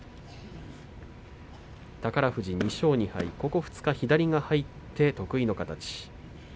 宝富士は２勝２敗、ここ２日左が入って得意の形。